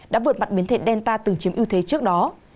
đã vượt mặt biến thể delta từng chiếm ưu thế trước đó